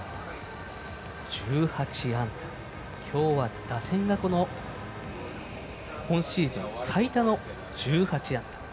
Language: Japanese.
１８安打、今日は打線が今シーズン最多の１８安打。